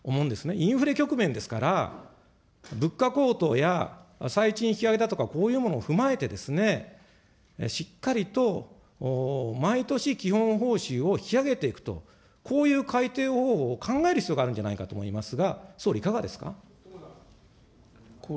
インフレ局面ですから、物価高騰や最賃引き上げだとか、こういうものを踏まえて、しっかりと毎年基本報酬を引き上げていくと、こういう改定方法を考える必要があるんじゃないかと思いますが、総理、いかがですか。